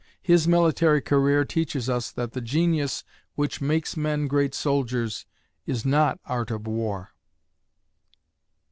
His military career teaches us that the genius which makes men great soldiers is not art of war.